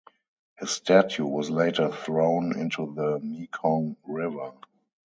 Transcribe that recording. His statue was later thrown into the Mekong River.